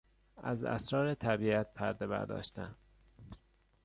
از اسرار طبیعت پردهبرداشتن